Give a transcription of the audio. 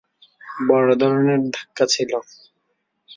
বড় ধরনের ধাক্কা ছিলো।